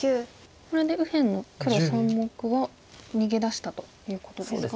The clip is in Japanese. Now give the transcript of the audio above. これで右辺の黒３目は逃げ出したということですか。